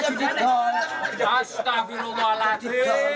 ya pasang jaring atau bubu kasihlah bubu